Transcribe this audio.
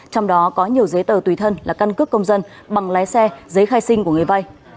trong đó có nhiều giấy tờ tùy thân là căn cước công dân bằng lái xe giấy khai sinh của người vay